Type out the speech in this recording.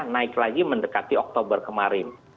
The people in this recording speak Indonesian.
naik lagi mendekati oktober kemarin